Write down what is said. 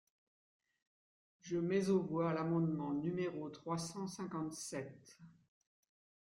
Je mets aux voix l’amendement numéro trois cent cinquante-sept.